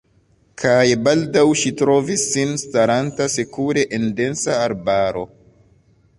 Kaj baldaŭ ŝi trovis sin staranta sekure en densa arbaro.